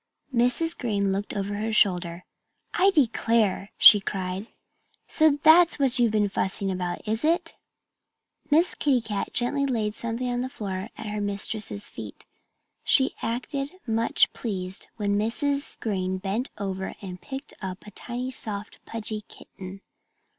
Mrs. Green looked over her shoulder. "I declare!" she cried. "So that's what you've been fussing about, is it?" Miss Kitty Cat gently laid something on the floor at her mistress' feet. And she acted much pleased when Mrs. Green bent over and picked up a tiny, soft, pudgy kitten.